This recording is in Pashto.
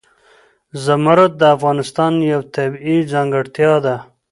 زمرد د افغانستان یوه طبیعي ځانګړتیا ده.